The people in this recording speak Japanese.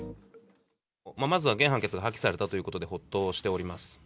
まずは原判決が破棄されたということで、ほっとしております。